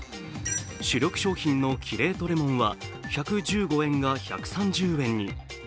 主力商品のキレートレモンは１１５円が１３０円に。